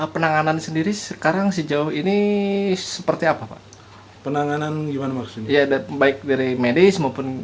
penanganan sendiri sekarang sejauh ini seperti apa pak penanganan gimana maksudnya ya dan baik dari medis maupun